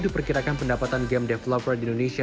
diperkirakan pendapatan game developer di indonesia